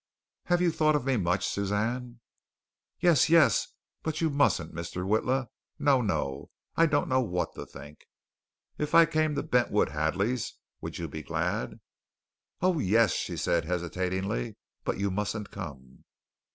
"Have you thought of me much, Suzanne?" "Yes, yes! But you mustn't, Mr. Witla. No, no. I don't know what to think." "If I came to Bentwood Hadleys, would you be glad?" "Oh, yes," she said hesitatingly, "but you mustn't come."